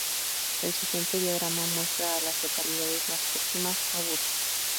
El siguiente diagrama muestra a las localidades más próximas a Butte.